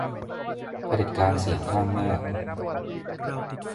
เผด็จการเสียงข้างมาก